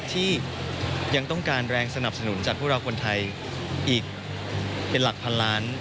ที่ยังต้องการแรงสนับสนุนจากพวกเราคนไทยอีกเป็นหลักพันล้าน